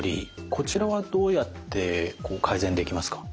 こちらはどうやって改善できますか？